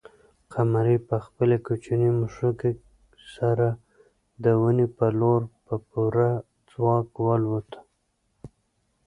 قمرۍ په خپلې کوچنۍ مښوکې سره د ونې پر لور په پوره ځواک والوته.